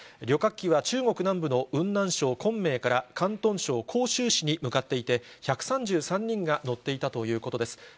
旅客機は中国南部の雲南省昆明から広東省広州市に向かっていて、１３３人が乗っていたということです。